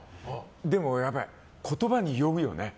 でも、やっぱり言葉に酔うよね。